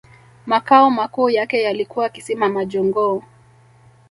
Makao makuu yake yalikuwa Kisima majongoo